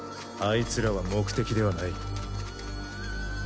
いつらは目的ではない。